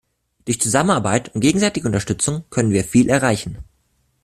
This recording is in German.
Durch Zusammenarbeit und gegenseitige Unterstützung können wir viel erreichen.